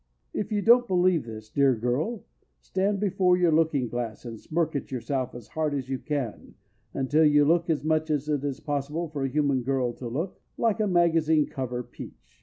If you don't believe this, dear girl, stand before your looking glass and smirk at yourself as hard as you can, until you look (as much as it is possible for a human girl to look) like a magazine cover Peach.